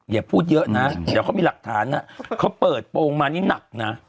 อย่าพูดเยอะนะเดี๋ยวเขามีหลักฐานนะเขาเปิดโปรงมานี่หนักนะ